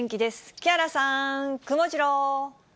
木原さん、くもジロー。